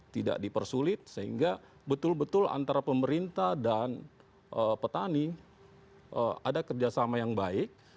tidak dipersulit sehingga betul betul antara pemerintah dan petani ada kerjasama yang baik